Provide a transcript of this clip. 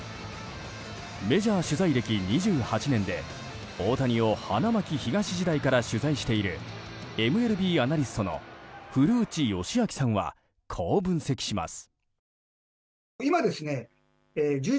メジャー取材歴２８年で、大谷を花巻東時代から取材しているＭＬＢアナリストの古内義明さんはこう分析します。